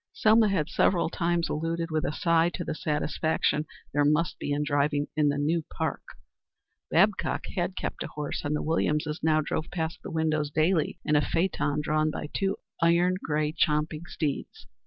Selma had several times alluded with a sigh to the satisfaction there must be in driving in the new park. Babcock had kept a horse, and the Williamses now drove past the windows daily in a phaeton drawn by two iron gray, champing steeds.